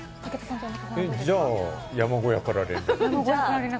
じゃあ山小屋から連絡？